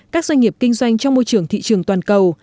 các doanh nghiệp kinh doanh trong môi trường thị trường toàn cầu